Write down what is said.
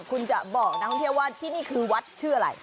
คุณจะบอกนักท่องเที่ยวว่าที่นี่คือวัดชื่ออะไร